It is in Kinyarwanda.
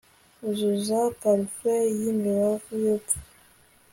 uzuza parufe yimibavu yurupfu